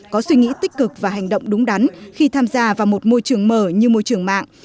có suy nghĩ tích cực và hành động đúng đắn khi tham gia vào một môi trường mở như môi trường mạng